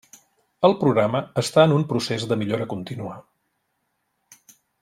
El programa està en un procés de millora contínua.